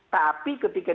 tapi ketika dibutuhkan